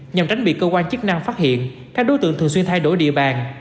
nhằm tránh bị cơ quan chức năng phát hiện các đối tượng thường xuyên thay đổi địa bàn